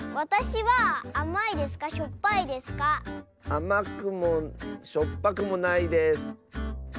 あまくもしょっぱくもないです。